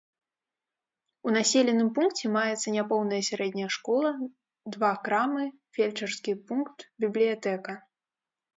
У населеным пункце маецца няпоўная сярэдняя школа, два крамы, фельчарскі пункт, бібліятэка.